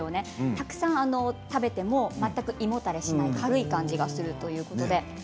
たくさん食べても全く胃もたれしない軽い感じがするということで。